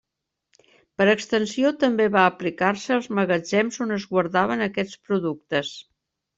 Per extensió també va aplicar-se als magatzems on es guardaven aquests productes.